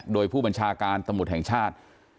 โดยผู้บัญชาการตำรวจแห่งชาติ